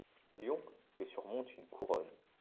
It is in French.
Un lion que surmonte une couronne.